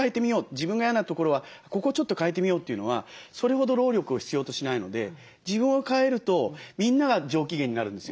自分が嫌なところはここをちょっと変えてみようというのはそれほど労力を必要としないので自分を変えるとみんなが上機嫌になるんですよ。